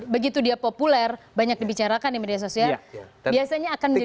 begitu dia populer banyak dibicarakan di media sosial biasanya akan menjadi